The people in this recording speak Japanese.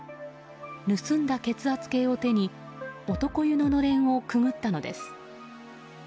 盗んだ血圧計を手に、男湯ののれんをくぐったのです。